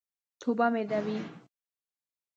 توبه مې دې وي.